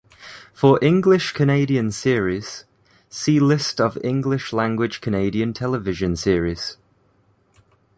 For English Canadian series, see List of English-language Canadian television series.